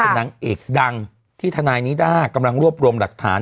เพราะเนั้งเอกดังที่ทะนายนี้ได้กำลังรวบรวมดักฐาน